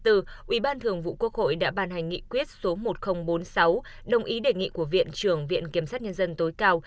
ủy ban thường vụ quốc hội đã ban hành nghị quyết số một nghìn bốn mươi sáu đồng ý đề nghị của viện trưởng viện kiểm sát nhân dân tối cao